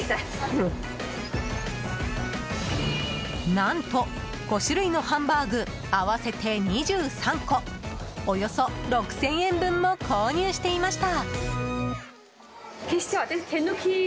何と、５種類のハンバーグ合わせて２３個およそ６０００円分も購入していました。